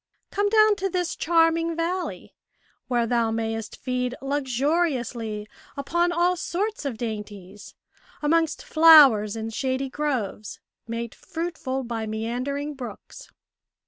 Come down to this charming valley, where thou mayest feed luxuriously upon all sorts of dainties, amongst flowers in shady groves, made fruitful by meandering brooks."